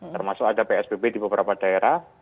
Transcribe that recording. termasuk ada psbb di beberapa daerah